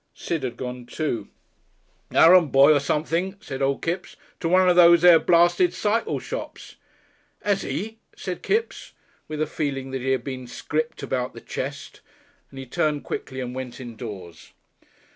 Sid had gone, too. "Arrand boy or somethink," said Old Kipps. "To one of these here brasted cicycle shops." "Has 'e!" said Kipps, with a feeling that he had been gripped about the chest, and he turned quickly and went indoors.